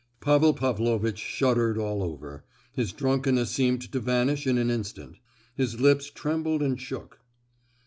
Pavel Pavlovitch shuddered all over; his drunkenness seemed to vanish in an instant; his lips trembled and shook.